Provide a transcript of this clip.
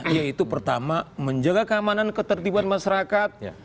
yaitu pertama menjaga keamanan ketertiban masyarakat